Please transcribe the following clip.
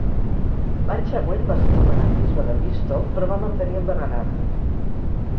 L'any següent va ser nomenat bisbe de Bristol, però va mantenir el deganat.